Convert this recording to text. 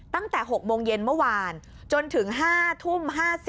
ตั้งแต่๖โมงเย็นเมื่อวานจนถึง๕ทุ่ม๕๐